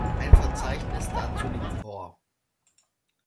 Ein Verzeichnis dazu liegt vor.